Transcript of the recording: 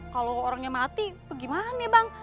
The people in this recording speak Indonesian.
kalau orangnya mati bagaimana bang